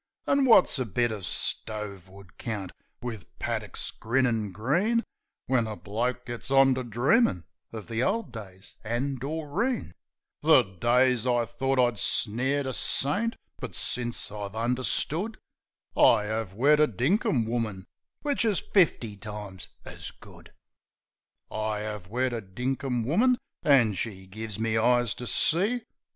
An' wot's a bit uv stove wood count, wiv paddicks grinnin' green, When a bloke gits on to dreamin' uv the old days an' Doreen The days I thort I snared a saint; but since I've under stood I 'ave wed a dinkum woman, which is fifty times as good. I 'ave wed a dinkum woman, an' she's give me eyes to see.